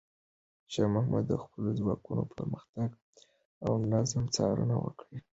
شاه محمود د خپلو ځواکونو د پرمختګ او نظم څارنه وکړه.